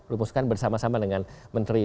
rumuskan bersama sama dengan menteri